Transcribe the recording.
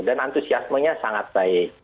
dan antusiasmenya sangat baik